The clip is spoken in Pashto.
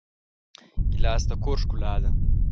ګیلاس د کور ښکلا ده.